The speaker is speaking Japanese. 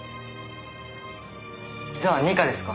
じゃあ二課ですか？